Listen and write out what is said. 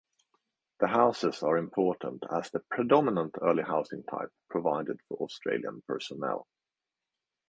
The houses are important as the predominant early housing type provided for Australian personnel.